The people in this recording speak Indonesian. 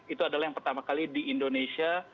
itu adalah yang pertama kali di indonesia